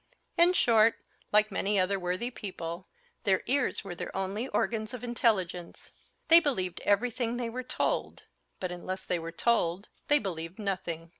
In short, like many other worthy people, their ears were their only organs of intelligence. They believed everything they were told; but unless they were told, they believed nothing.